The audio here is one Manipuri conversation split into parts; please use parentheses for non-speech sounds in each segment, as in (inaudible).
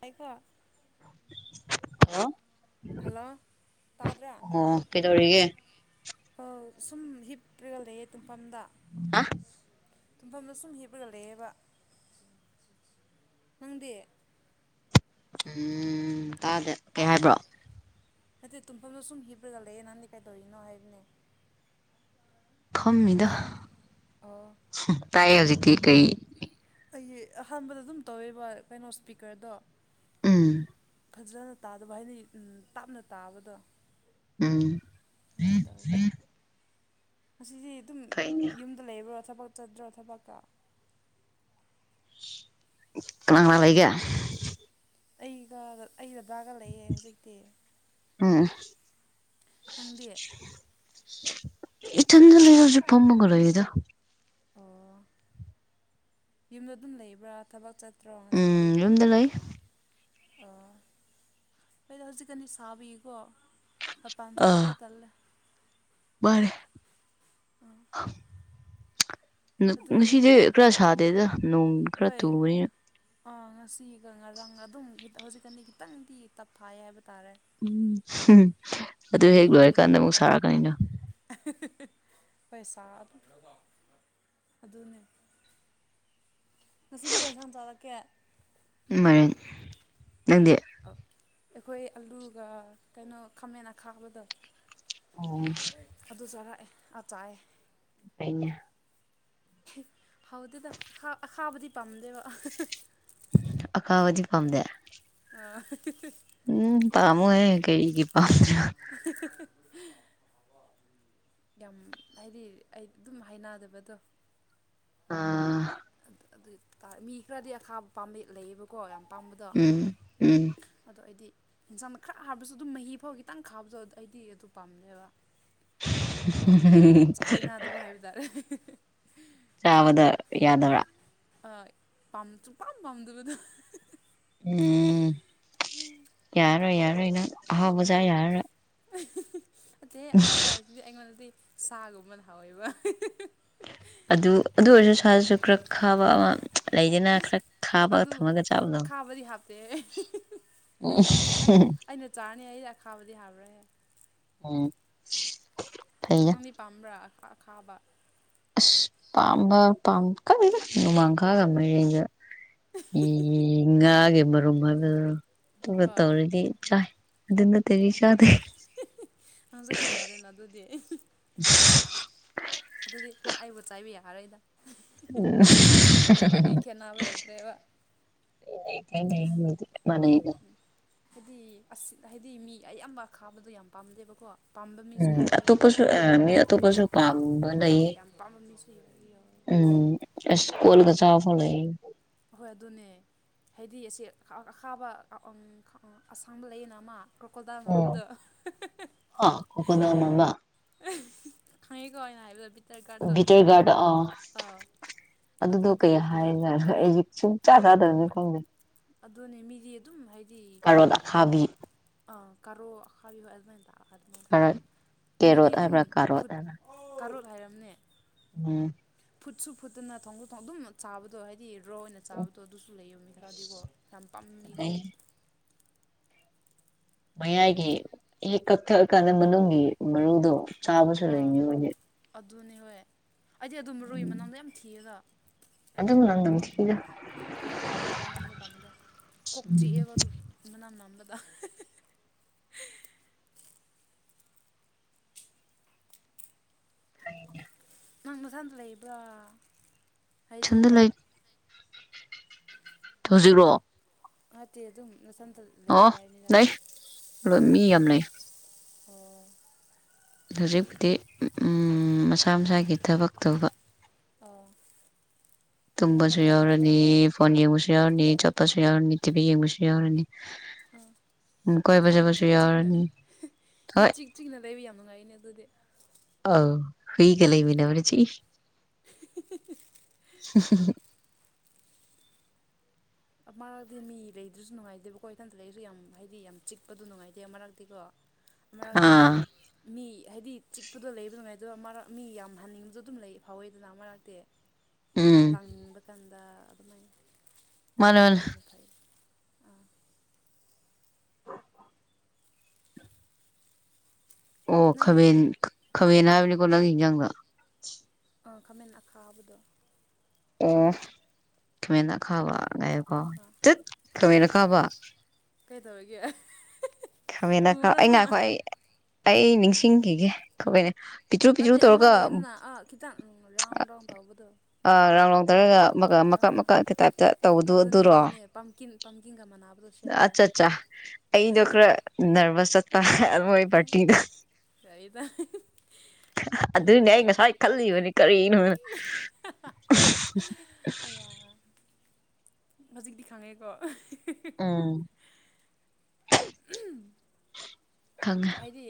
ꯍꯥꯏꯀꯣ ꯑ ꯍꯜꯂꯣ ꯇꯥꯗ꯭ꯔꯦ ꯀꯩꯗꯧꯔꯤꯒꯦ ꯁꯨꯝ ꯍꯤꯞꯔꯒ ꯂꯩꯌꯦ ꯇꯨꯡꯐꯝꯗ ꯑ ꯇꯨꯝꯐꯝꯗ ꯁꯨꯝ ꯍꯤꯞꯄꯒ ꯂꯩꯑꯦꯕ ꯅꯪꯗꯤ ꯎꯝ ꯇꯥꯗꯦ ꯀꯩ ꯍꯥꯏꯕ꯭ꯔꯣ ꯅꯠꯇꯦ ꯇꯨꯝꯐꯝꯗꯣ ꯁꯨꯝ ꯍꯤꯞꯔꯒ ꯂꯩꯌꯦ ꯅꯪꯗꯤ ꯀꯩꯗꯧꯔꯤꯅꯣ ꯍꯥꯏꯕꯅꯦ ꯐꯝꯃꯤꯗ ꯇꯥ ꯑꯣ ꯇꯥꯏ ꯍꯧꯖꯤꯛꯇꯤ ꯀꯔꯤ ꯑꯩꯒꯤ ꯑꯍꯥꯟꯕꯗ ꯑꯗꯨꯝ ꯇꯧꯋꯦꯕ ꯀꯩꯅꯣ ꯏꯁꯄꯤꯀꯔꯗꯣ ꯎꯝ ꯐꯖꯅ ꯇꯥꯗꯕ ꯍꯥꯏꯗꯤ ꯇꯥꯞꯅ ꯇꯥꯕꯗꯣ ꯎꯝ ꯑꯗꯨꯃꯥꯏꯅ ꯇꯧꯋꯤ ꯉꯁꯤꯗꯤ ꯑꯗꯨꯝ ꯐꯩꯅꯦ ꯌꯨꯝꯗ ꯂꯩꯕ꯭ꯔꯣ ꯊꯕꯛ ꯆꯠꯇ꯭ꯔꯣ ꯊꯕꯛꯀ ꯀꯅꯥ ꯀꯅꯥ ꯂꯩꯒꯦ ꯑꯩꯒ ꯑꯩ ꯗꯥꯒ ꯂꯩꯌꯦ ꯍꯧꯖꯤꯛꯇꯤ ꯎꯝ ꯅꯪꯗꯦ ꯏꯊꯟ ꯂꯩ ꯍꯧꯖꯤꯛ ꯐꯝꯃꯒ ꯂꯩꯌꯦꯗ ꯑꯣ ꯌꯨꯝꯗ ꯑꯗꯨꯝ ꯂꯩꯕ꯭ꯔꯥ ꯊꯕꯛ ꯆꯠꯇ꯭ꯔꯣ ꯉꯁꯤꯗꯤ꯫ ꯎꯝ ꯌꯨꯝꯗ ꯂꯩ ꯑꯣ ꯑꯩꯣꯏꯗ ꯍꯧꯖꯤꯛꯀꯅꯤ ꯁꯥꯕꯤꯀꯣ ꯃꯄꯥꯟꯁꯨꯇꯣꯛꯄ ꯇꯜꯂꯦ꯫ ꯋꯥꯔꯦ ꯑꯗꯨ ꯉꯁꯤꯗꯤ ꯄꯨꯔ ꯁꯥꯗꯦꯗ ꯅꯣꯡ ꯈꯔ ꯍꯣꯏ ꯆꯨꯕꯅꯤꯅ ꯑꯥ ꯉꯁꯤꯒ ꯉꯔꯥꯡ ꯑꯗꯨꯝ ꯍꯧꯖꯤꯛꯀꯅꯤ ꯈꯤꯇꯪꯗꯤ ꯇꯞꯊꯥꯏ ꯍꯥꯏꯕ ꯇꯥꯔꯦ꯫ ꯎꯝ ꯑꯗꯨ ꯍꯦꯛ ꯃꯃꯥꯡꯒꯤ ꯅꯨꯃꯤꯠ ꯂꯣꯏꯔꯀꯥꯟꯗ ꯑꯃꯨꯛ ꯁꯥꯔꯛꯀꯅꯤꯅꯣ꯫ ꯄꯩꯁꯥ ꯑꯗꯨꯝ ꯑꯗꯨꯅꯦ꯫ ꯉꯁꯤꯗꯤ ꯀꯩ ꯁꯝ ꯆꯥꯔꯛꯀꯦ꯫ ꯃꯏꯅ ꯅꯪꯗꯤ꯫ ꯑꯩꯈꯣꯏ ꯑꯂꯨꯒ ꯀꯩꯅꯣ ꯈꯥꯃꯦꯟ ꯈꯥꯕꯗꯣ ꯑꯣꯝ ꯑꯗꯨ ꯆꯥꯔꯛꯑꯦ ꯑꯥ ꯆꯥꯏ꯫ ꯐꯩꯅꯦ꯫ ꯍꯥꯎꯗꯦꯗ ꯑꯈꯥꯕꯗꯤ ꯄꯥꯝꯗꯦꯕ ꯑꯀꯥꯕꯗꯤ ꯄꯥꯝꯗꯦ꯫ ꯑꯥ ꯎꯝ ꯄꯥꯝꯣ ꯑꯦ ꯀꯩꯒꯤ ꯄꯝꯗꯔ꯭ꯤꯕ (inaudible) ꯌꯥꯝ ꯍꯥꯏꯗꯤ ꯑꯩ ꯑꯗꯨꯝ ꯍꯥꯏꯅꯗꯕꯗꯣ ꯎꯝ ꯑꯗꯨꯇꯥꯔꯦ ꯃꯤ ꯈꯔꯗꯤ ꯑꯈꯥꯕ ꯄꯥꯝꯝꯕ ꯂꯩꯌꯦꯕꯀꯣ ꯌꯥꯝ ꯑꯄꯥꯥꯝꯕꯗꯣ ꯎꯝ ꯎꯝ ꯑꯗꯣ ꯑꯩꯗꯤ꯫ ꯏꯟꯁꯥꯡ ꯈꯔ ꯍꯥꯔꯕꯁꯨ ꯑꯗꯨꯝ ꯃꯍꯤ ꯐꯥꯎ ꯈꯤꯇꯪ ꯈꯥꯕꯗ ꯑꯗꯨ ꯑꯩꯗꯤ ꯑꯗꯨ ꯄꯥꯝꯅꯦꯕ꯫ ꯥꯍꯩꯏꯅꯥꯗꯕ꫰ꯍꯥꯏꯕ ꯇꯥꯔꯦ꯫ ꯆꯥꯕꯗ ꯌꯥꯗꯕ꯭ꯔꯥ ꯍꯣꯌ ꯁꯨꯛꯄꯥꯝ ꯄꯥꯝꯗꯕꯗꯣ ꯎꯝ ꯌꯥꯔꯣꯏ ꯌꯥꯔꯣꯏ ꯅꯪ ꯑꯍꯥꯎꯕꯖꯥ ꯌꯥꯔꯣꯏ꯫ ꯑꯇꯩ ꯑꯍꯥꯎꯋꯥꯏ ꯍꯥꯏꯁꯤꯗꯤ ꯑꯩꯉꯣꯟꯗꯗꯤ ꯁꯥꯒꯨꯝꯕꯅ ꯍꯥꯎꯋꯦꯕ꯫ ꯑꯗꯨ ꯑꯗꯨ ꯑꯣꯏꯔꯁꯨ ꯁꯥꯖꯁꯨ ꯈꯔꯥ ꯈꯥꯕ ꯑꯃ ꯂꯩꯗꯅ ꯏꯁ ꯈꯔ ꯑꯗꯣ ꯈꯥꯕꯒ ꯑꯗꯨ ꯊꯝꯃꯒ ꯆꯥꯕꯗꯣ ꯑꯈꯥꯕꯗꯤ ꯍꯥꯞꯇꯦ (inaudible) ꯆꯥꯅꯤ ꯑꯩꯗ ꯈꯥꯕꯗꯤ ꯍꯥꯞꯔꯍꯦ꯫ ꯎꯝ ꯐꯩꯗ ꯅꯪꯗꯤ ꯄꯥꯝꯕ꯭ꯔꯥ ꯑ ꯈꯥꯕ ꯑꯁ ꯄꯥꯝꯕ ꯄꯥ ꯈꯥꯉꯥꯗꯦꯗꯥ ꯅꯣꯡꯃꯥꯡꯈꯒ ꯃꯌꯦꯡꯒ ꯏ ꯉꯥꯒꯤ ꯍꯔꯨꯝ ꯍꯥꯌꯕꯔ ꯇ ꯇꯧꯔꯤꯗꯤ ꯆꯥꯏ꯫ ꯑꯗꯨ ꯅꯠꯇꯗꯤ ꯆꯥꯗꯦ ꯑꯣ ꯑꯁꯨ ꯈꯦꯋꯥꯗꯅ ꯑꯗꯨꯗꯤ꯫ (inaudible) ꯑꯗꯨꯗꯤ ꯅꯪ ꯑꯩꯕꯨ ꯆꯥꯏꯕ ꯌꯥꯔꯣꯏꯗ꯫ ꯈꯦꯠꯅꯕ ꯂꯩꯇ꯭ꯔꯦꯕ (inaudible) (unintelligible) ꯎꯝ ꯍꯥꯏꯗꯤ ꯑꯁꯤ ꯍꯥꯏꯗꯤ ꯃꯤ ꯑꯌꯥꯝꯕ ꯈꯥꯕꯗꯣ ꯌꯥꯝ ꯄꯥꯝꯗꯦꯕꯀꯣ ꯄꯥꯝꯕ ꯃꯤꯁꯨ ꯎꯝ ꯌꯥꯎꯋꯦ ꯑꯗꯨꯕꯨ ꯑꯇꯣꯞꯄꯁꯨ ꯃꯤ ꯑꯇꯣꯞꯄꯁꯨ ꯄꯥꯝꯕ ꯍꯣꯏ ꯂꯩꯌꯦ ꯌꯥꯝ ꯄꯥꯝꯕ ꯃꯤꯁꯨ ꯌꯥꯎꯋꯦ ꯌꯥꯎꯋꯦ꯫ ꯎꯝ ꯏꯁ ꯀꯣꯜꯒ ꯆꯥ ꯐꯥꯎ ꯂꯩ꯫ ꯑꯍꯣꯏ ꯑꯗꯨꯅꯦ ꯍꯥꯏꯗꯤ ꯑꯁꯤ ꯑꯈꯥꯕ ꯑꯁꯥꯡꯕ ꯂꯩꯌꯦꯅ ꯑꯃꯑ꯫ ꯀꯣꯀꯣꯗꯜ ꯎꯝ ꯃꯟꯕꯗꯣ ꯑꯥ ꯀꯣꯀꯣꯅꯠ ꯃꯃꯥ ꯈꯪꯉꯤꯀꯣꯅ ꯍꯥꯏꯕꯗꯣ ꯕꯤꯇꯔ ꯒꯥꯔꯗꯣ ꯕꯤꯇꯔ ꯒꯥꯔꯗ ꯑꯥ ꯑꯥ ꯑꯗꯨꯗꯣ ꯑꯗꯨꯗꯤ ꯀꯩ ꯍꯥꯏ ꯍꯣꯏ ꯃꯤ ꯍꯧꯖꯤꯛꯁꯨ ꯆꯥꯛ ꯆꯥꯗꯝꯅꯤ ꯈꯪꯗꯦ ꯑꯗꯨꯅꯦ ꯃꯤꯗꯤ ꯑꯗꯨꯝ ꯍꯥꯏꯗꯤ ꯀꯔꫭꯠ ꯑꯈꯥꯕꯤ ꯑꯥ ꯀꯥꯔꯣ ꯑꯈꯥꯕꯤꯍꯣ ꯑꯗꯨꯃꯥꯏꯅ ꯇꯥꯛꯒ ꯑꯗꯨꯃꯥꯏꯅ ꯀꯥꯔꯣꯠ ꯇꯧꯔꯒ ꯃꯤꯗꯤ ꯀꯦꯔꯣꯠ ꯑꯗꯨꯝ ꯍꯥꯏꯕ꯭ꯔꯥ ꯀꯥꯔꯣꯠ ꯐꯨꯠ ꯍꯥꯏꯕ꯭ꯔꯥ ꯇꯔꯨꯠ ꯍꯥꯏꯔꯝꯅꯦ ꯎꯝ ꯐꯨꯠꯁꯨ ꯐꯨꯠꯇꯅ ꯊꯣꯡꯗꯣꯛ ꯊꯣꯡ ꯑꯗꯨꯝ ꯆꯥꯕꯗꯣ ꯍꯥꯏꯗꯤ ꯔꯣ ꯑꯣꯏꯅ ꯆꯥꯕꯗꯣ ꯑꯗꯨꯁꯨ ꯂꯩꯕ ꯃꯤ ꯈꯔꯗꯤꯀꯣ ꯌꯥꯝ ꯄꯥꯝꯅꯤꯗꯤ ꯑꯗꯩ ꯃꯌꯥꯏꯒꯤ ꯍꯦꯛ ꯀꯛꯊꯛꯑ ꯀꯥꯟꯗ ꯃꯅꯨꯡꯒꯤ ꯃꯔꯨꯗꯣ ꯆꯥꯕꯁꯨ ꯑꯥ ꯂꯩꯅꯤ ꯃꯣꯏꯗꯤ ꯑꯗꯨꯅꯦ ꯍꯣꯏ ꯑꯩꯗꯤ ꯑꯗꯨꯝ ꯃꯔꯣꯏ ꯃꯅꯝꯗꫭ ꯌꯥꯝ ꯊꯤꯌꯦꯒ ꯑꯗꯨꯝ ꯂꯥꯡꯗꯝꯈꯤ ꯑꯥ ꯃꯅ ꯃꯅꯝꯗꯣ ꯄꯥꯝꯗꯦ ꯀꯣꯛ ꯆꯤꯛꯑꯦꯕ ꯑꯗꯨ ꯃꯅꯝ ꯅꯝꯕꯗ ꯍꫭꯏꯅꯦ ꯅꯪ ꯅꯊꯟ ꯂꯩꯕ꯭ꯔꫭ ꯍꯥꯏꯗꯤ ꯏꯊꯟꯗ ꯂꯩ ꯍꯧꯖꯤꯛꯔꫭ ꯅꯠꯇꯦ ꯑꯗꯨꯝ ꯅꯊꯟꯇ ꯑꯣ ꯂꯩꯕ꯭ꯔꯥ ꯍꯥꯏꯅꯤꯗ ꯂꯩ ꯃꯤ ꯌꯥꯝ ꯑꯣ ꯂꯩ ꯑꯣ ꯍꯧꯖꯤꯛꯄꯨꯗꯤ ꯎꯝ ꯃꯁꯥ ꯃꯁꯥꯒꯤ ꯊꯕꯛ ꯇꯧꯕ ꯑꯣ ꯌꯥꯏꯗ ꯇꯨꯝꯕꯁꯨ ꯍꯣꯏ ꯑꯗꯨꯝ ꯌꯥꯎꯔꯅꯤ ꯐꯣꯟ ꯌꯦꯡꯕꯁꯨ ꯌꯥꯎꯔꯅꯤ ꯆꯠꯄꯁꯨ ꯌꯥꯎꯔꯅꯤ ꯇꯤꯚꯤ ꯌꯦꯡꯕꯁꯨ ꯌꯥꯎꯔꯅꯤ ꯑꯥ ꯎꯝ ꯀꯣꯏꯕ ꯑꯗꯨꯗꯤ ꯆꯠꯄꯁꯨ ꯏꯆꯤꯛ ꯆꯤꯛꯅ ꯌꯥꯎꯔꯅꯤ ꯍꯣꯏ ꯏꯆꯤꯛ ꯆꯤꯛꯅ ꯂꯩꯕ ꯌꯥꯝ ꯅꯨꯡꯉꯥꯏꯅꯦ ꯑꯗꯨꯗꯤ ꯑꯧ ꯍꯨꯏꯒ ꯂꯩꯃꯤꯟꯅꯕꯅ ꯆꯤꯛꯏ ꯃꯔꯛꯇꯤ ꯃꯤ ꯂꯩꯗ꯭ꯔꯁꯨ ꯅꯨꯡꯉꯥꯏꯇꯦꯕꯀꯣ ꯏꯊꯟꯇ ꯂꯩꯔꯤꯁꯨ ꯌꯥꯝ ꯍꯥꯏꯗꯤ ꯌꯥꯝ ꯆꯤꯛꯄꯗꯣ ꯅꯨꯡꯉꯥꯏꯇꯦ ꯃꯔꯛꯇꯤꯀꯣ ꯃꯔꯛꯇꯤ ꯑꯥ ꯃꯤ ꯍꯥꯏꯗꯤ ꯆꯤꯛꯄꯗꯣ ꯂꯩꯕ ꯅꯨꯡꯉꯥꯏꯗꯕ ꯃꯔꯛ ꯃꯤ ꯌꯥꯝ ꯍꯟꯅꯤꯡꯕꯗꯣ ꯑꯗꯨꯝ ꯂꯩ ꯐꯥꯎꯋꯦꯗꯅ ꯃꯔꯛꯇꯤ ꯎꯝ ꯂꯥꯡꯅꯤꯡꯕ ꯀꯥꯟꯗ ꯑꯗꯨꯃꯥꯏꯅ ꯃꯥꯅꯦ ꯃꯥꯅꯦ ꯑꯗꯨꯁꯨ ꯐꯩ ꯑꯥ ꯑꯣ ꯅꯪꯒꯤ ꯈꯥꯕꯦꯟ ꯈꯥꯕꯦꯟ ꯍꯥꯏꯕꯅꯤꯀꯣ ꯅꯪ ꯌꯦꯟꯖꯥꯡꯗꫭ ꯑꯥ ꯈꯥꯃꯦꯟ ꯑꯈꯥꯕꯗꯣ ꯑꯣ ꯈꯃꯦꯟ ꯑꯈꯥꯕ ꯉꯥꯏꯌꯨ ꯑ ꯑ ꯀꯩꯗꯧꯔꯒꯦ ꯈꯥꯃꯦꯟ ꯑꯈꯥ ꯎꯕ꯭ꯔꯥ ꯑꯩ ꯅꯪ ꯉꯥꯏꯈꯣ ꯑꯩ ꯑꯩ ꯅꯤꯡꯁꯤꯡꯈꯤꯒꯦ ꯀꯩꯅꯦ ꯅꯠꯇꯦ ꯑꯃ ꯂꯩꯗꯅ ꯑꯥ ꯈꯤꯇꯪ ꯔꯥꯎꯟ ꯗꯧꯅ ꯇꯧꯕꯗꯣ ꯑ ꯔꯥꯎꯟ ꯔꯥꯎꯟꯇꯔꯒ ꯃꯀꯛ ꯑꯥ ꯃꯀꯛꯀꯤ ꯇꯥꯏꯞꯇ ꯇꯧꯕꯗꯨ ꯑꯗꯨꯅꯦ ꯑꯗꯨꯔꯣ ꯑꯗꯨꯅꯦ ꯄꯝꯀꯤꯟ ꯄꯝꯀꯤꯟꯒ ꯃꯥꯟꯅꯕꯗꫭ ꯑꯠꯆꯥ ꯆꯥ ꯑꯩꯗꯣ ꯈꯔ ꯅꯔꯚꯁ ꯆꯠꯄ ꯑꯈꫭꯏ ꯍꯦ ꯄꯥꯔꯇꯤꯗ ꯌꯥꯔꯦꯗ ꯑꯩꯁꯨ ꯑꯗꯨꯅꯦ ꯑꯗꯨꯃꯥꯏꯅ ꯑꯩ ꯇꯧꯕꯅꯤ ꯉꯁꯥꯏ ꯈꯜꯂꯤꯕꯅꯤ ꯀꯔꯤꯅꯣꯅ (unintelligible) ꯀꯌꯥ ꯍꯧꯖꯤꯛꯇꯤ ꯈꯪꯉꯦꯀꯣ ꯎꯝ ꯎꯝ ꯈꯪꯉꯦ ꯍꯥꯏꯗꯤ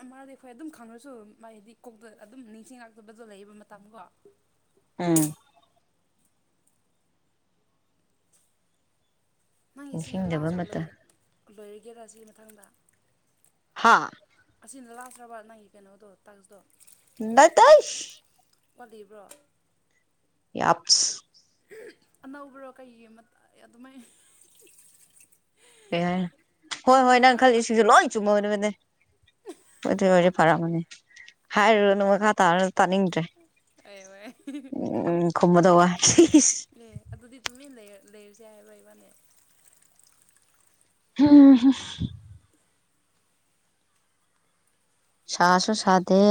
ꯎꯝ ꯃꯥꯗꯤ ꯑꯩꯈꯣꯏ ꯑꯗꯨꯝ ꯈꯪꯉꯁꯨ ꯃꯥꯏꯗꯤ ꯀꯣꯛꯇ ꯑꯗꯨꯝ ꯅꯤꯡꯁꯤꯡꯂꯥꯛꯇꯕꯗꯣ ꯂꯩꯕ ꯃꯇꯝꯀꯣ ꯎꯝ ꯅꯪꯒꯤ ꯁꯤꯅꯦ ꯅꯤꯡꯁꯤꯡꯗꯕ ꯂꯥꯁ ꯑꯣ ꯂꯩ ꯃꯇꯝ ꯂꯣꯏꯔꯒꯦꯔꯥ ꯁꯤ ꯃꯊꯪꯗ ꯍꯥꯥ ꯑꯁꯤꯅ ꯂꯥꯛꯁꯔꯕ ꯅꯪꯒꯤ ꯀꯩꯅꯣꯗꯣ ꯇꯥꯛꯁꯗꯣ ꯅꯠꯇꯦ ꯋꯥꯠꯂꯤꯕ꯭ꯔꯣ ꯌꯥꯞꯄꯁ ꯑꯅꯧꯕ꯭ꯔꯣ ꯀꯩ ꯑꯗꯨꯃꯥꯏꯅ ꯀꯩ ꯍꯥꯏꯅꯦ ꯍꯣꯏ ꯍꯣꯏ ꯑꯅꯧꯕ ꯅꯪ ꯈꯜꯂꯤꯁꯤꯡꯁꯨ ꯂꯣꯏ ꯆꯨꯝꯃꯕꯅꯦ ꯑꯗꯨꯗꯑꯣꯏꯔꯗꯤ ꯐꯔꯛꯃꯅꯤ ꯍꯥꯏꯔꯨꯔꯅ ꯃꯈꯥ ꯇꯥꯔꯅꯨ ꯇꯥꯅꯤꯡꯗ꯭ꯔꯦ (unintelligible) ꯎꯝ ꯈꯨꯝꯃꯥꯗꯧꯋꯦ ꯑꯦ ꯑꯗꯨꯗꯤ ꯇꯨꯃꯤꯟꯅ ꯂꯩꯔꯨꯁꯦ ꯍꯥꯏꯕꯔꯣ ꯏꯕꯥꯅꯤ (unintelligible) ꯁꯥꯁꯨ ꯁꯥꯗꯦ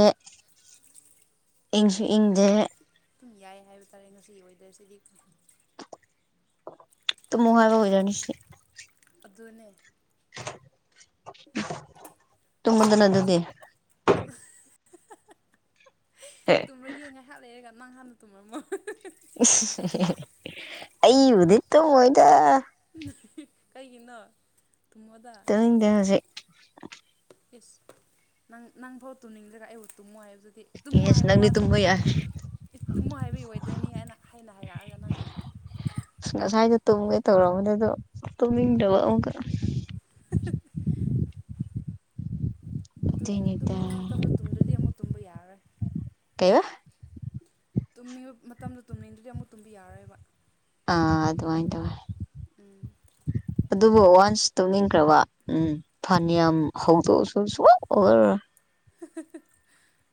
ꯍꯣꯏ ꯏꯪꯁꯨ ꯏꯪꯗꯦ ꯑꯗꯨꯝ ꯌꯥꯏ ꯍꯥꯏꯕ ꯇꯥꯔꯦ ꯉꯁꯤ ꯋꯦꯗꯔꯁꯤꯗꯤ ꯇꯨꯃꯣ ꯍꯥꯏꯕ ꯋꯦꯗꯔꯅꯤ ꯑꯗꯨꯅꯦ (unintelligible) ꯁꯥꯔꯁꯨ ꯑꯗꯨꯗꯤ ꯑꯦ ꯇꯨꯝꯃꯒꯦ ꯉꯥꯏꯍꯥꯛ ꯂꯩꯔꯒ ꯅꯪ ꯍꯥꯟꯅ ꯇꯨꯝꯔꯝꯃꯣ ꯑꯩꯕꯨꯗꯤ ꯇꯨꯝꯃꯣꯏꯗ ꯀꯩꯒꯤꯅꯣ ꯊꯨꯝꯃꯣꯗ (unintelligible) ꯏꯁ ꯅꯪ ꯅꯪꯐꯥꯎ ꯇꯨꯝꯅꯤꯡꯗ꯭ꯔꯒ ꯑꯩꯕꯨ ꯇꯨꯝꯃꯣ ꯍꯥꯏꯕꯗꯨꯗꯤ ꯇꯨꯝꯃꯣ ꯌꯦꯁ ꯍꯥꯏꯕ ꯅꯪꯗꯤ ꯋꯥ ꯇꯨꯝꯕ ꯌꯥꯏ ꯇꯨꯝꯃꯣ ꯍꯥꯏꯕꯒꯤ ꯋꯦꯗꯔꯅꯤ ꯍꯥꯏꯅ ꯍꯥꯏꯅ ꯍꯥꯏꯔꯛꯑꯒ ꯅꯪꯅ ꯑꯁ ꯉꯁꯥꯏꯗꯣ ꯇꯨꯝꯒꯦ ꯇꯧꯔꯝꯕꯅꯦ ꯑꯗꯣ ꯇꯨꯝꯅꯤꯡꯗꯕ ꯑꯃꯨꯛꯀ ꯑꯗꯨꯅꯤ ꯑꯗꯨꯏꯅꯤꯗ ꯇꯨꯝꯅꯤꯡꯕ ꯃꯇꯝꯗ ꯇꯨꯝꯗ꯭ꯔꯗꯤ ꯑꯃꯨꯛ ꯇꯨꯝꯕ ꯌꯥꯔꯣꯏ ꯀꯩꯕ ꯇꯨꯝꯅꯤꯡꯕꯥ ꯃꯇꯝꯗꯣ ꯇꯨꯝꯅꯤꯡꯗꯔꯥꯗꯤ ꯑꯃꯨꯛ ꯇꯨꯝꯕꯥ ꯌꯥꯔꯣꯏꯕ ꯑꯥ ꯑꯗꯨꯃꯥꯏ ꯇꯧꯋꯦ ꯎꯝ ꯑꯗꯨꯕꯨ ꯋꯥꯟꯁ ꯇꯨꯝꯅꯤꯡꯈ꯭ꯔꯕ ꯎꯝ ꯐꯥꯅꯤꯌꯥꯝꯝ ꯍꯩꯗꯣꯛꯑꯁꯨ ꯁꯨꯛꯑꯣꯏ ꯑꯣꯏꯔꯔꯣꯏ (unintelligible)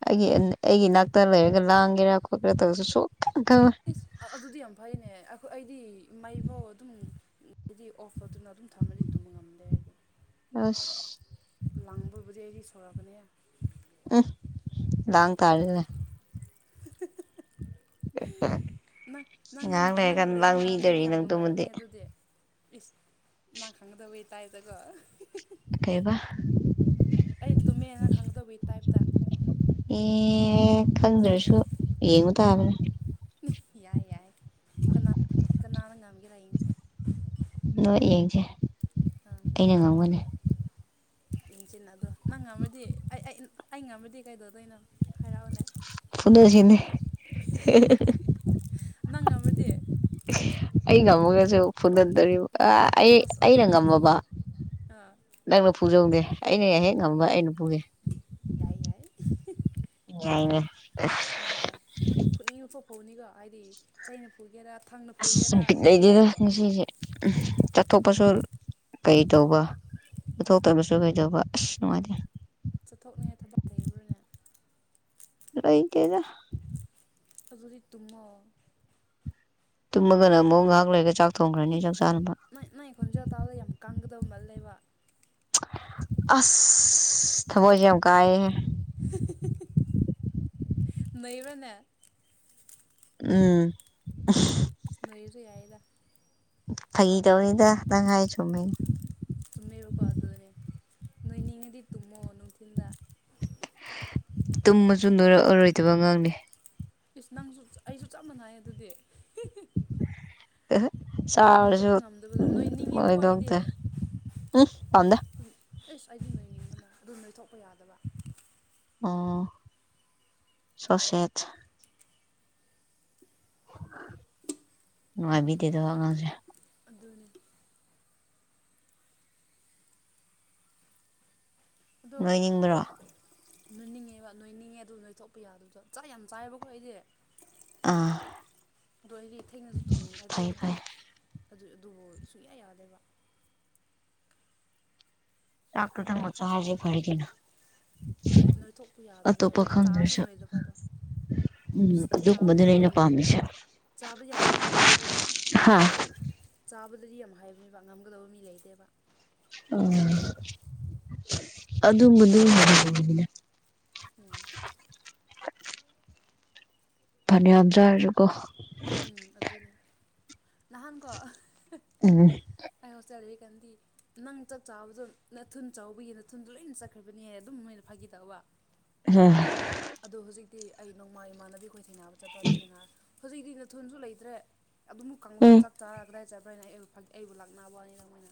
ꯑꯩꯒꯤ ꯑꯩꯒꯤ ꯏꯅꯥꯛꯇ ꯂꯩꯔꯒ ꯂꯥꯡꯒꯦꯔꯥ ꯈꯣꯠꯀꯦꯔꯥ ꯇꯧꯔꯁꯨ ꯁꯨꯀꯇꯨꯝ ꯇꯨꯝꯃꯣꯏ ꯏꯁ ꯑꯗꯨꯗꯤ ꯌꯥꯝ ꯐꯩꯅꯦ ꯑꯩꯈꯣꯏ ꯑꯩꯗꯤ ꯃꯩꯐꯥꯎ ꯑꯗꯨꯝ ꯑꯗꯨꯗꯤ ꯑꯣꯐꯔꯗꯨꯅ ꯑꯗꯨꯝ ꯊꯝꯃꯗꯤ ꯇꯨꯝꯕ ꯉꯝꯗꯦ ꯑꯁ ꯂꯥꯡꯕꯕꯨꯗꯤ ꯑꯩꯗꯤ ꯁꯥꯎꯔꯛꯀꯥꯅꯤ ꯂꯥꯡꯇꯥꯔꯦꯅꯦ (unintelligible) ꯅꯪ ꯅꯪꯒ ꯉꯥꯏꯍꯥꯛ ꯂꯩꯔꯒ ꯅꯪꯒ ꯂꯩꯕꯅ ꯃꯤꯗꯤ ꯂꯥꯡꯕꯤꯗꯣꯔꯤ ꯌꯥꯝ ꯅꯪꯗꯨꯃꯗꯤ ꯅꯨꯡꯉꯥꯏꯔꯝꯅꯤ ꯑꯗꯨꯗꯤ ꯏꯁ ꯃꯥ ꯈꯪꯒꯗꯕꯩ ꯇꯥꯏꯞꯇꯥꯀꯣ ꯀꯩꯕ ꯑꯩ ꯇꯨꯝꯃꯦꯅ ꯈꯪꯒꯗꯕꯒꯤ ꯇꯥꯏꯞꯇ ꯑꯦ ꯈꯪꯗ꯭ꯔꯁꯨ ꯌꯦꯡꯕꯥꯇꯥꯕꯅꯦ ꯌꯥꯏ ꯌꯥꯏ ꯀꯅꯥ ꯀꯅꯥ ꯉꯝꯒꯦꯔꯥ ꯌꯦꯡꯉꯣ (unintelligible) ꯑꯩꯅ ꯉꯝꯒꯅꯤ ꯑꯥ ꯌꯦꯡꯁꯤꯅ ꯑꯗꯣ ꯅꯪ ꯉꯝꯔꯥꯗꯤ ꯑꯩ ꯑꯩ ꯉꯝꯔꯥꯗꯤ ꯀꯩꯗꯧꯗꯣꯏꯅꯣ ꯍꯥꯏꯔꯛꯑꯣ ꯐꯨꯅꯁꯤꯅꯦ ꯅꯪ ꯉꯝꯔꯥꯗꯤ ꯑꯩ ꯉꯝꯃꯒꯁꯨ ꯐꯨꯗꯗꯣꯔꯤꯕ ꯑꯥ ꯑꯩ ꯑꯁ ꯑꯩꯅ ꯑꯗꯨꯗꯤ ꯉꯝꯃꯥꯕ ꯑꯥ ꯅꯪꯅ ꯄꯨꯖꯧꯅꯦ ꯑꯩꯅ ꯍꯦꯛ ꯉꯝꯕ ꯑꯩꯅ ꯐꯨꯒꯦ ꯌꯥꯏꯏ ꯑ ꯐꯅꯤꯣ ꯍꯥꯏ ꯆꯩꯒꯦ ꯑꯁ ꯌꯥꯝ ꯄꯤꯛꯅꯩꯗꯨꯗ ꯉꯁꯤꯁꯦ ꯆꯠꯊꯣꯛꯄꯁꯨ ꯀꯩ ꯇꯧꯕ ꯄꯨꯊꯣꯛꯇꯕꯁꯨ ꯀꯩꯗꯧꯕ ꯑꯁ ꯅꯨꯡꯉꯥꯏꯇꯦ ꯆꯠꯊꯣꯛꯅꯤꯡꯉꯥꯏ ꯊꯕꯛ ꯂꯩꯕ꯭ꯔꯥꯅꯦ ꯔꯥꯏ ꯀꯦꯗ ꯑꯗꯨꯗꯤ ꯇꯨꯝꯃꯣ ꯇꯨꯝꯃꯒꯅ ꯑꯃꯨꯛ ꯉꯥꯏꯍꯥꯛ ꯂꯩꯔꯒ ꯆꯥꯛ ꯊꯣꯡꯈ꯭ꯔꯅꯤ ꯆꯥꯛ ꯆꯥꯅꯅꯕ ꯅꯣꯏ ꯅꯣꯏ ꯈꯣꯟꯖꯦꯜꯥ ꯇꯥꯕꯗ ꯌꯥꯝ ꯀꯪꯒꯗꯕ ꯃꯥ ꯂꯩꯕ ꯑꯁ ꯊꯕꯣꯏꯁ ꯌꯥꯝ ꯀꯥꯏ ꯅꯣꯏꯕꯅꯦ ꯎꯝ ꯁ ꯃꯣꯏꯁ ꯑꯣꯏꯅ ꯌꯥꯑꯗ ꯐꯥꯒꯤ ꯇꯧꯔꯤꯗ ꯅꯪ ꯍꯥꯏ ꯆꯨꯝꯃꯤꯩꯅ ꯇꯨꯝꯃꯦꯔꯣꯀꯣ ꯑꯗꯨꯅꯦ ꯅꯣꯏ ꯅꯤꯡꯉꯗꯤ ꯇꯨꯝꯃꯣꯑꯣ ꯅꯨꯡꯊꯤꯤꯟꯗ ꯇꯨꯝꯃꯁꯨ ꯅꯣꯏꯔꯛꯑꯔꯣꯏꯗꯕ ꯉꯥꯡꯅꯤ ꯄꯤꯁ ꯅꯪꯁꯨ ꯑꯩꯁꯨ ꯆꯞ ꯃꯥꯟꯅꯩ ꯑꯗꯨꯗꯤ ꯁꯥꯔꯁꯨ ꯅꯣꯏꯊꯣꯛꯄ ꯎ ꯉꯝꯗꯕ ꯅꯣꯏꯅꯤꯡꯉꯦꯕꯀꯣ ꯑꯩꯗꯤ ꯑꯣꯏꯗꯛꯇ ꯎꯝ ꯄꯥꯎꯗ ꯑꯦꯁ ꯑꯩꯗꯤ ꯅꯣꯏꯅꯤꯡꯕꯅ ꯑꯗꯨ ꯅꯣꯏꯊꯣꯛꯄ ꯌꯥꯗꯕ ꯑꯣ ꯁꯣꯁꯦꯠ ꯅꯨꯡꯉꯥꯏꯕꯤꯗꯗ ꯑꯉꯥꯡꯁꯦ ꯑꯗꯨꯅꯦ ꯑꯗꯣ ꯅꯣꯏꯅꯤꯡꯕ꯭ꯔꯣ ꯅꯣꯏꯅꯤꯡꯉꯦꯕ ꯅꯣꯏꯅꯤꯡꯉꯦ ꯑꯗꯨ ꯅꯣꯏꯊꯣꯛꯄ ꯌꯥ ꯑꯗꯨꯗ ꯆꯥꯛ ꯌꯥꯝ ꯆꯥꯏꯌꯦꯕꯀꯣ ꯑꯩꯁꯦ ꯑꯥ ꯑꯗꯣ ꯑꯩꯗꯤ ꯏꯊꯦꯡꯩꯅꯁꯨ ꯇꯨꯡꯅꯤꯡ ꯑꯗꯨꯗꯤ ꯐꯩ ꯑꯗꯨꯝ ꯐꯩ ꯑꯗꯨ ꯑꯗꯨꯕꯨ ꯁꯨꯡꯌꯥ ꯌꯥꯗꯦꯕ ꯂꯥꯛꯇꯔꯗ ꯃ ꯆ ꯍꯥꯖꯦ ꯐꯔꯒꯦꯅ ꯅꯣꯏ ꯊꯣꯛꯣꯛꯄ ꯌꯥꯗꯕꯗꯣ ꯑꯇꯣꯞꯄ ꯆꯥꯔꯁꯨ ꯈꯪꯗ꯭ꯔꯁꯨ ꯅꯣꯏꯗꯕꯗꯣ ꯎꯝ ꯏꯁꯁ ꯆꯥꯕꯗꯤ ꯑꯗꯨꯒꯨꯝꯕꯗꯨꯅꯦ ꯌꯥꯝ ꯑꯩꯅ ꯍꯥꯏꯕꯅꯦ ꯄꯥꯝꯃꯤꯁꯦ ꯆꯥꯕꯗꯤ ꯌꯥꯝ ꯍꯥꯏꯕꯅꯦꯍꯦ ꯑꯩꯈꯣꯏꯁ ꯍꯥꯥ ꯆꯥꯕꯗꯗꯤ ꯌꯥꯝ ꯍꯥꯏꯕꯅꯦꯕ ꯉꯝꯒꯗꯕ ꯃꯤ ꯂꯩꯇꯦꯕ ꯑꯣ ꯑꯗꯨꯝꯕꯗꯨꯅꯤꯅꯦ ꯎꯝ ꯐ ꯑꯖꯔꯕꯨ ꯎꯝ ꯑꯗꯨꯅꯦ ꯅꯍꯥꯟꯀꯣ ꯎꯝ ꯑꯩ ꯍꯣꯁꯇꯦꯜ ꯂꯩꯔꯤꯀꯥꯟꯗꯤ ꯅꯪ ꯆꯥꯛ ꯆꯥꯕꯗꯣ ꯅꯅꯥꯊꯨꯟ ꯆꯥꯎꯕꯒꯤꯅꯥꯨꯗꯣ ꯂꯣꯏꯅ ꯆꯠꯈ꯭ꯔꯕꯅꯦ ꯍꯥꯏ ꯑꯗꯨꯝ ꯃꯣꯏꯅ ꯐꯥꯒꯤꯗꯧꯕ ꯑ ꯑꯗꯣ ꯍꯧꯖꯤꯛꯇꯤ ꯑꯩ ꯅꯣꯡꯃꯥ ꯏꯃꯥꯟꯅꯕꯤꯈꯣꯏ ꯁꯦꯡꯅꯕ ꯆꯠꯄ ꯑꯗꯨꯦꯡꯅꯔꯦ ꯍꯧꯖꯤꯛꯇꯤ ꯅ ꯏꯊꯨꯁꯨ ꯂꯩꯇ꯭ꯔꯦ ꯑꯗꯨꯕꯨ ꯀꯥꯡꯕꯨꯗ ꯎꯝ ꯆꯥꯛ ꯆꯥꯔꯒ ꯀꯗꯥꯏ ꯆꯥꯕ꯭ꯔꯥ ꯍꯥꯏꯅ ꯑꯩꯕꯨ ꯐ ꯑꯩꯕꯨ ꯂꯥꯛꯅꯕꯅꯤꯅ ꯃꯣꯏꯅ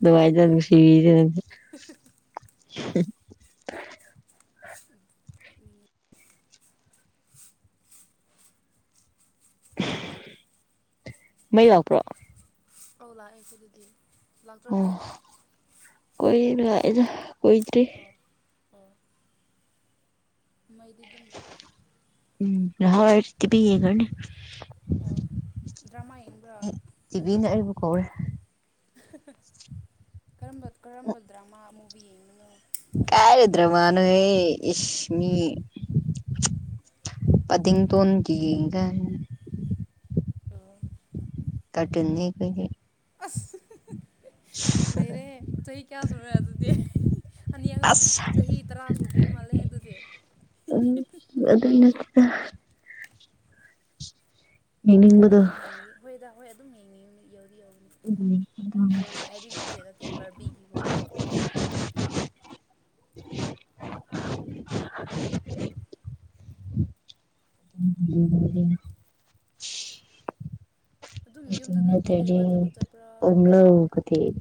ꯅꯨꯡꯉꯥꯏꯖꯅ ꯅꯨꯡ ꯁꯤꯕꯤꯗ (inaudible) ꯎꯝ ꯃꯩ ꯂꯥꯛꯄ꯭ꯔꯣ ꯑꯧ ꯂꯥꯛꯦꯁꯦ ꯑꯗꯨꯗꯤ ꯑꯣ ꯀꯣꯏꯅꯅꯨꯡꯖ ꯀꯣꯏꯗꯔꯤ ꯑꯣ ꯑꯣ ꯃꯩꯗꯤ ꯑꯗꯨꯝ ꯂꯥꯛꯑꯦ ꯎꯝ ꯍꯥꯎ ꯏꯔꯇꯕꯤꯤ ꯌꯦꯒꯅꯤ ꯑꯣ ꯗ꯭ꯔꯃꯥ ꯌꯦꯡꯕ꯭ꯔꯥ ꯇꯤꯚꯤꯅ ꯑꯩꯕꯨ ꯀꯧꯔꯦ ꯀꯔꯝꯕ ꯗ꯭ꯔꯃꯥ ꯃꯨꯚꯤ ꯌꯦꯡꯕꯅꯣ ꯀꯥꯏꯔꯔꯤꯗ꯭ꯔꯃꯅ ꯍꯁꯃꯤ ꯑꯗꯤꯤꯡ ꯇꯒ ꯇ ꯇꯇꯅꯤꯅꯤ ꯀꯩꯒꯤ ꯂꯩꯔꯦ ꯆꯍꯤ ꯆꯍꯤ ꯀꯌꯥ ꯁꯅꯦ ꯑꯗꯨꯗꯤ ꯑꯅꯤ ꯑꯍꯨꯝ ꯑꯁ ꯆꯍꯤ ꯇꯔꯥ ꯁꯨꯗ꯭ꯔꯤꯕ ꯃꯥꯜꯂꯦ ꯑꯗꯨꯗꯤ ꯎꯝ ꯑꯗꯨ ꯅꯠꯇꯗ ꯌꯦꯡꯅꯤꯡꯕꯗꯣ ꯀꯠꯇꯨ ꯌꯦꯡꯉꯤ ꯍꯣꯏꯗ ꯍꯣꯏ ꯑꯗꯨꯝ ꯌꯦꯡꯉꯤ ꯌꯧꯗꯤ ꯌꯧꯔꯤꯅꯤ ꯍꯥꯏꯗꯤ ꯐ꯭ꯔꯣꯖꯥ ꯍꯥꯏꯗꯤ ꯅꯠꯇ ꯅꯠꯇꯦ ꯅꯠꯇꯦ ꯕꯔꯕꯤꯒꯤꯒꯨꯝꯕꯀꯣ ꯎꯝ ꯑꯗꯨꯝ ꯌꯨꯝꯗ ꯅꯨꯡꯇꯤ ꯗꯤ ꯂꯩꯕ꯭ꯔꯥ ꯊꯕꯛ ꯆꯠꯄ꯭ꯔꯥ ꯑꯣꯝꯂꯒꯗꯤ